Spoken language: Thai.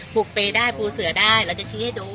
ปลูกเปย์ได้ปูเสือได้เราจะชี้ให้ดู